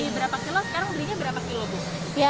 biasanya berapa kilo sekarang berinya berapa kilo bu